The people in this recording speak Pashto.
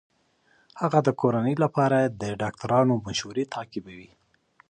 هغه د کورنۍ لپاره د ډاکټرانو مشورې تعقیبوي.